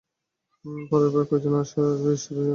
পরের বার কয়জন আসবে ঈশ্বরই জানেন।